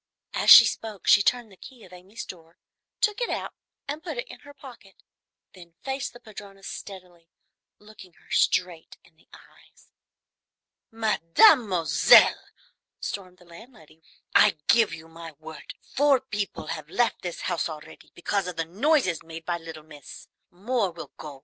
As she spoke she turned the key of Amy's door, took it out and put it in her pocket, then faced the padrona steadily, looking her straight in the eyes. "Mademoiselle," stormed the landlady, "I give you my word, four people have left this house already because of the noises made by little miss. More will go.